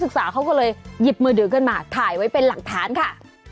เขาก็เลยหยิบมือถือขึ้นมาถ่ายไว้เป็นหลักฐานค่ะ